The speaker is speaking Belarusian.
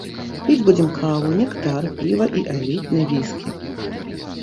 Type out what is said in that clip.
Піць будзем каву, нектар, піва і элітны віскі.